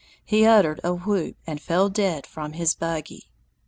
He uttered a whoop and fell dead from his buggy.